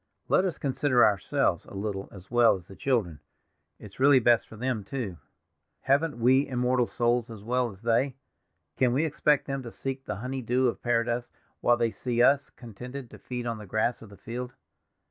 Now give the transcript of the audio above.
Let us consider ourselves a little as well as the children; it's really best for them, too. Haven't we immortal souls as well as they? Can we expect them to seek the honey dew of paradise while they see us contented to feed on the grass of the field?"